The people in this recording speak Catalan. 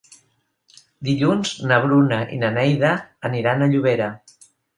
Dilluns na Bruna i na Neida aniran a Llobera.